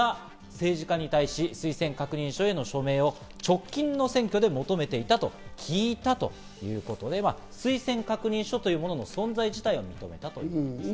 教団の関連団体が政治家に対し、推薦確認書への署名を直近の選挙で求めていたと聞いたということで推薦確認書というものの存在自体を認めたということです。